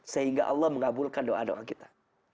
sehingga allah mengabulkan doa doa kita